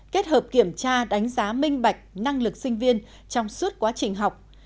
kết hợp kiểm tra đánh giá minh bạch năng lực sinh viên trong suốt quá trình học